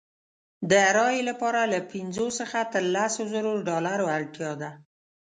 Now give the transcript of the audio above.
د رایې لپاره له پنځو څخه تر لسو زرو ډالرو اړتیا ده.